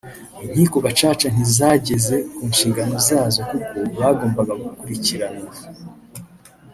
Inkiko Gacaca ntizageze ku nshingano zazo kuko bagombaga gukurikiranwa”